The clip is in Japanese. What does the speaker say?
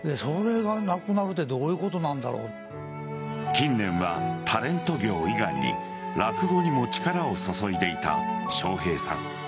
近年は、タレント業以外に落語にも力を注いでいた笑瓶さん。